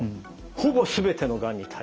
「ほぼすべてのがんに対応」。